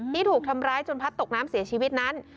ที่ถูกทำร้ายจนพัดตกน้ำเสียชีวิตนั้น